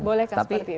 boleh kan seperti itu